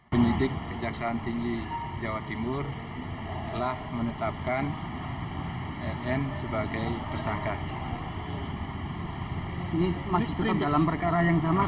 penyidik kejaksaan tinggi jawa timur telah menetapkan nn sebagai